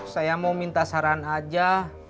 saya mau minta saran aja